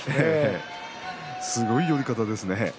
すごい寄り方ですね。